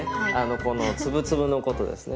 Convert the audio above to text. この粒々のことですね。